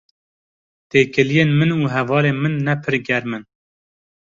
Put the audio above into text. Têkiliyên min û hevalên min ne pir germ in.